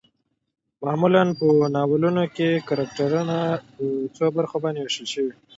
معمولا په ناولونو کې کرکترنه په څو برخو باندې ويشل شوي